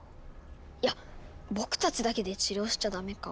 ⁉いやっ僕たちだけで治療しちゃダメか。